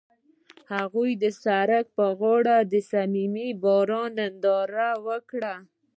هغوی د سړک پر غاړه د صمیمي باران ننداره وکړه.